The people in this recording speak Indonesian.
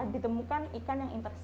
ditemukan ikan yang intersex